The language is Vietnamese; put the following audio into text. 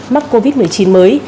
mắc covid một mươi chín mới